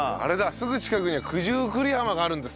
すぐ近くには九十九里浜があるんですって。